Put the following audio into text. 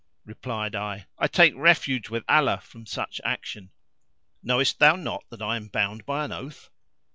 Replied I, "I take refuge with Allah from such action! Knowest thou not that I am bound by an oath?"